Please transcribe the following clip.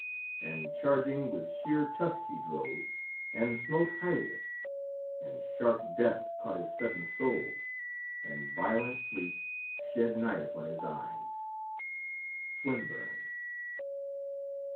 And charging with sheer tusk he drove, and smote Hyleus; and sharp death caught his sudden soul, And violent sleep shed night upon his eyes." Swinburne.